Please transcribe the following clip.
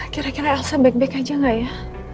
kira kira elsa back back aja gak ya